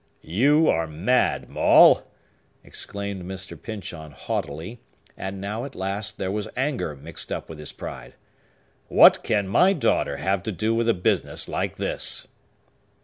"You are mad, Maule!" exclaimed Mr. Pyncheon haughtily; and now, at last, there was anger mixed up with his pride. "What can my daughter have to do with a business like this?"